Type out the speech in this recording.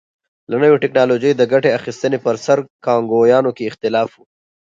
له نوې ټکنالوژۍ د ګټې اخیستنې پر سر کانګویانو کې اختلاف و.